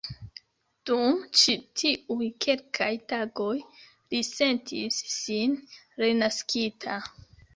Dum ĉi tiuj kelkaj tagoj li sentis sin renaskita.